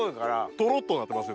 トロっとなってますよね。